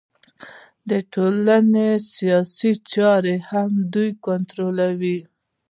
د ټولنې سیاسي چارې هم دوی کنټرولوي